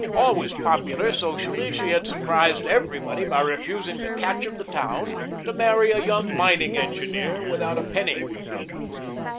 Always popular socially, she had surprised everybody by refusing the catch of the town to marry a young mining engineer without a penny.